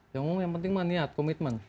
yang penting mah niat komitmen